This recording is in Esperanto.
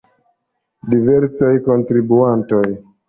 Diversaj kontribuantoj.